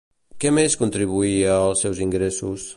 Què més contribuïa als seus ingressos?